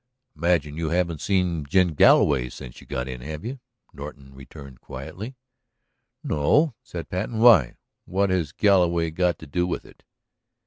"I imagine you haven't seen Jim Galloway since you got in, have you?" Norton returned quietly. "No," said Patten. "Why? What has Galloway got to do with it?"